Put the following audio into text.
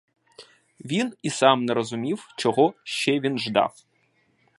Він і сам не розумів, чого ще він ждав.